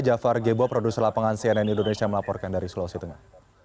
jafar gebo produser lapangan cnn indonesia melaporkan dari sulawesi tengah